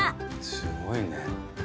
すごいね。